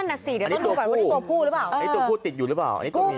อันนี้ตัวผู้ตัวผู้ติดอยู่หรือเปล่า